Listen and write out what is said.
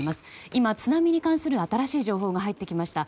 今、津波に関する新しい情報が入ってきました。